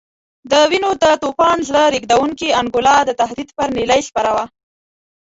د وینو د توپان زړه رېږدونکې انګولا د تهدید پر نیلۍ سپره وه.